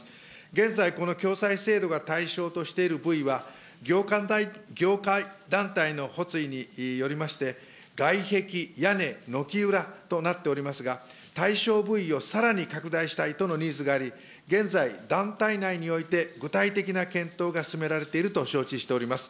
現在、この共済制度が対象としている部位は、業界団体の発意によりまして、外壁、屋根、軒裏となっておりますが、対象部位をさらに拡大したいとのニーズがあり、現在、団体内において具体的な検討が進められていると承知しております。